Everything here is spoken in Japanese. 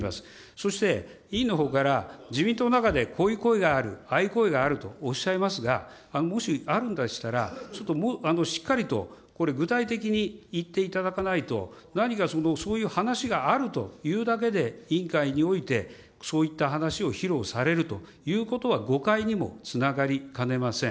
そして、委員のほうから、自民党の中でこういう声がある、ああいう声があるとおっしゃいますが、もしあるんでしたら、ちょっとしっかりとこれ、具体的に言っていただかないと、何かそういう話があるというだけで、委員会においてそういった話を披露されるということは、誤解にもつながりかねません。